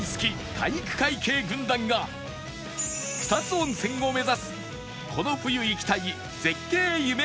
体育会系軍団が草津温泉を目指すこの冬行きたい絶景湯めぐりルートへ